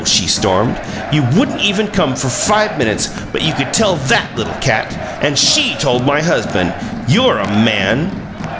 she stormed. "You wouldn't even come for five minutes, but you could tell that little cat! And SHE told my husband! You're a MAN!"